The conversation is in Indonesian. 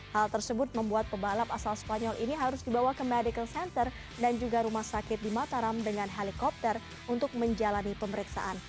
hal tersebut membuat pebalap asal spanyol ini harus dibawa ke medical center dan juga rumah sakit di mataram dengan helikopter untuk menjalani pemeriksaan